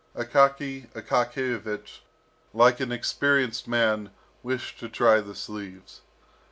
Akaky Akakiyevich, like an experienced man, wished to try the sleeves.